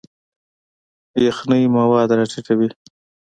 یخنۍ مواد راټیټوي.